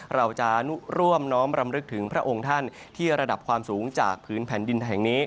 เราจะร่วมน้อมรำลึกถึงพระองค์ท่านที่ระดับความสูงจากพื้นแผ่นดินแห่งนี้